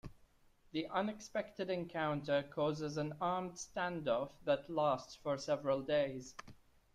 The unexpected encounter causes an armed standoff that lasts for several days.